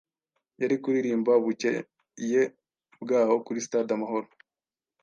yari kuririmba bucyeye bwaho kuri Stade Amahoro